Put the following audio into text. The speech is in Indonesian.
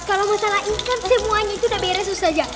kalo masalah ikan semuanya itu udah beres ustazah